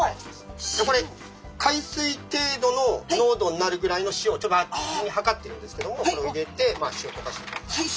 これ海水程度の濃度になるぐらいの塩をちょっと事前に量ってるんですけどもこれを入れて。